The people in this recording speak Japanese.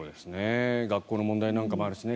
学校の問題なんかもあるしね。